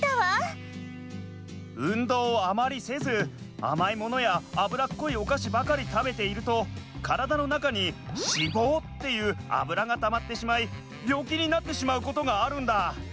運動をあまりせずあまいものやあぶらっこいおかしばかりたべているとカラダのなかに脂肪っていうアブラがたまってしまいびょうきになってしまうことがあるんだ。